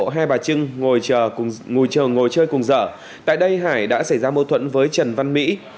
hai bà trưng ngồi chờ ngồi chơi cùng giở tại đây hải đã xảy ra mâu thuẫn với trần văn mỹ